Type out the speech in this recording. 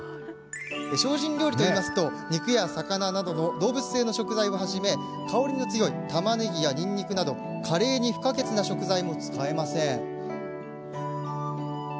精進料理は、肉や魚などの動物性の食材をはじめ香りの強いたまねぎやにんにくなどカレーに不可欠な食材も使えません。